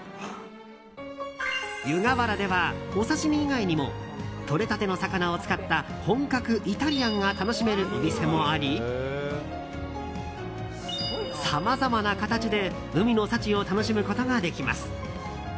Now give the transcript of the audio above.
湯河原ではお刺し身以外にもとれたての魚を使った本格イタリアンが楽しめるお店もありさまざまな形で海の幸を楽しむことができます。